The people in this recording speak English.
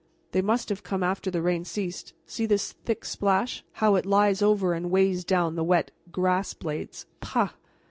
"They must have come after the rain ceased. See this thick splash, how it lies over and weighs down the wet grass blades. Pah!"